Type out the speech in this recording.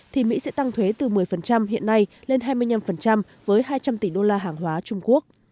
thì mỹ sẽ tăng thuế từ một mươi hiện nay lên hai mươi năm với hai trăm linh tỷ đô la hàng hóa trung quốc